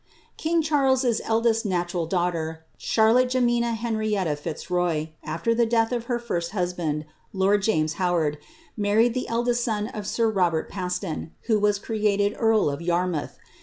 King Charles's eldest natural daughter, ChaHotte Jemima Henrietta Fitzroy, after the death of her first husband, lord James Howard, mar^ ried the eldest son of sir Robert Paston, who was created earl of Ta^ mouth.